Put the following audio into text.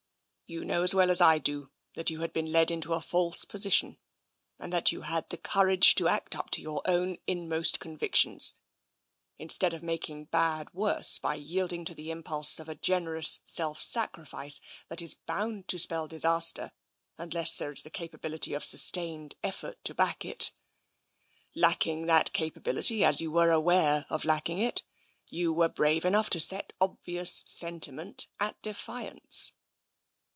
"You know as well as I do that you had been led into a false position, and that you had the courage to act up to your own inmost convictions, in stead of making bad worse by yielding to the impulse of a generous self sacrifice that is bound to spell disas ter unless there is the capability of sustained effort to back it. Lacking that capability, as you were aware of lacking it, you were brave enough to set obvious sentiment at defiance."